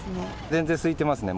全然すいてますね。